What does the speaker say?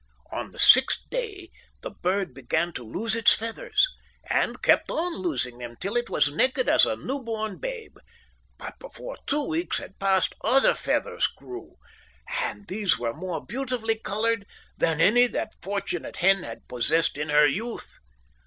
On the sixth day the bird began to lose its feathers, and kept on losing them till it was naked as a newborn babe; but before two weeks had passed other feathers grew, and these were more beautifully coloured than any that fortunate hen had possessed in her youth.